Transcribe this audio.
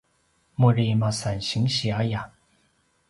muri masan sinsi aya